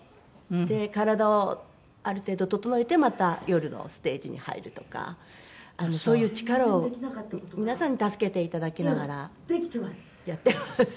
体をある程度整えてまた夜のステージに入るとかそういう力を皆さんに助けていただきながらやってます。